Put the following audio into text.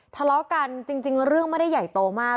ทะเลาะกันจริงเรื่องไม่ได้ใหญ่โตมาก